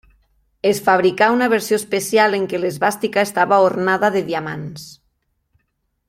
Es fabricà una versió especial en què l'esvàstica estava ornada de diamants.